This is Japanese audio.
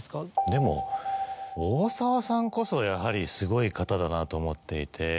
でも大沢さんこそやはりすごい方だなと思っていて。